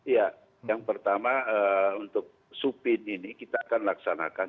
ya yang pertama untuk supin ini kita akan laksanakan